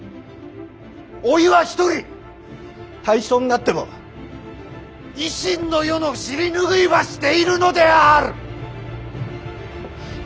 おいは一人大正になっても維新の世の尻拭いばしているのである！